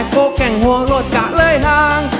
แก๊งโฮโดจกระเลยทาง